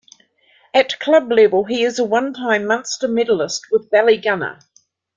At club level he is a one-time Munster medallist with Ballygunner.